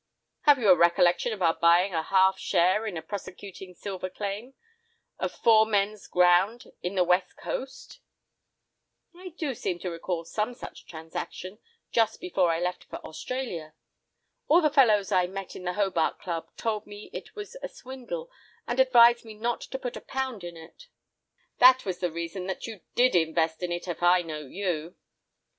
"Have you any recollection of our buying a half share in a prospecting silver claim, of four men's ground, in the West Coast?" "I do seem to recall some such transaction, just before I left for Australia. All the fellows I met in the Hobart Club told me it was a swindle, and advised me not to put a pound in it." "That was the reason that you did invest in it, if I know you."